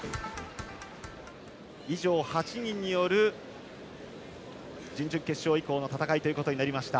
以上８人による準々決勝以降の戦いとなりました。